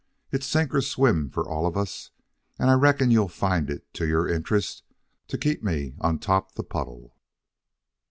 It's sink or swim for all of us, and I reckon you'll find it to your interest to keep me on top the puddle."